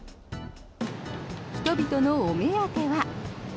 人々のお目当ては。